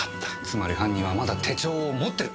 つまり犯人はまだ手帳を持ってる！